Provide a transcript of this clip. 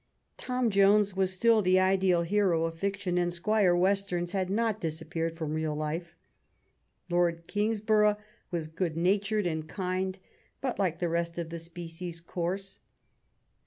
Tom Jones was still the ideal hero of fiction, and Squire Westerns had not disappeared from real life. Lord Eangsborough was good natured and kind, but, like the rest of the species, coarse.